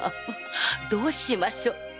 まあどうしましょう。